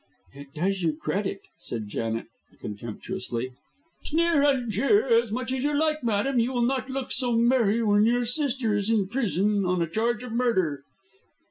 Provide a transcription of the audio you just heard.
"It does you credit," said Janet, contemptuously. "Sneer and jeer as much as you like, madam, you will not look so merry when your sister is in prison on a charge of murder."